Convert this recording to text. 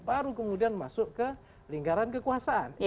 baru kemudian masuk ke lingkaran kekuasaan